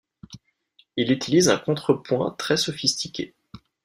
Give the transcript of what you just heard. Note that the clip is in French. Il utilise un contrepoint très sophistiqué.